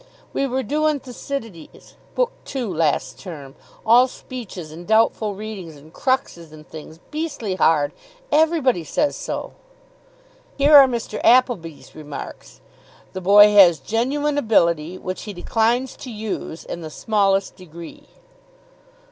'" "We were doing Thucydides, Book Two, last term all speeches and doubtful readings, and cruxes and things beastly hard! Everybody says so." "Here are Mr. Appleby's remarks: 'The boy has genuine ability, which he declines to use in the smallest degree.